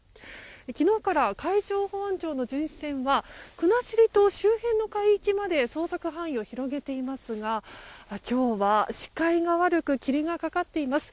昨日から海上保安庁の巡視船が国後島周辺の海域まで捜索範囲を広げていますが今日は視界が悪く霧がかかっています。